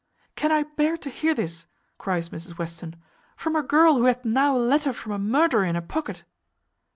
"Can I bear to hear this," cries Mrs Western, "from a girl who hath now a letter from a murderer in her pocket?"